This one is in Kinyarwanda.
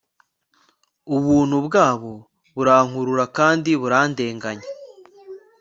Ubuntu bwabo burankurura kandi burandenganya